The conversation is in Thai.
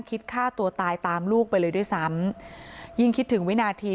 คิดฆ่าตัวตายตามลูกไปเลยด้วยซ้ำยิ่งคิดถึงวินาที